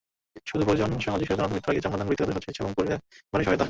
শুধু প্রয়োজন সামাজিক সচেতনতা, মৃত্যুর আগেই চামড়াদানে ব্যক্তিগত সদিচ্ছা এবং পরিবারের সহায়তা।